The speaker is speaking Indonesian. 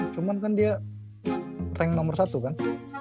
cuman kan dia rank nomor satu kan